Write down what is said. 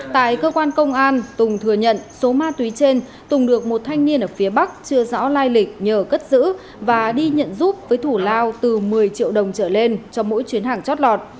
tại cơ quan công an tùng thừa nhận số ma túy trên tùng được một thanh niên ở phía bắc chưa rõ lai lịch nhờ cất giữ và đi nhận giúp với thủ lao từ một mươi triệu đồng trở lên cho mỗi chuyến hàng chót lọt